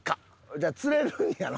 じゃあ釣れるんやな？